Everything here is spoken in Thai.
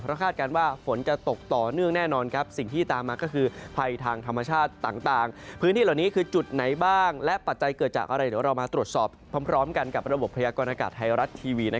พร้อมกันกับระบบพรยากรณากาศไทยรัฐทรีวี